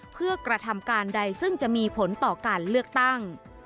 เพื่อกระทำการใดซึ่งจะมีผลต่อการเลือกตั้ง